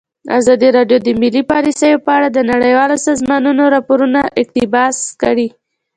ازادي راډیو د مالي پالیسي په اړه د نړیوالو سازمانونو راپورونه اقتباس کړي.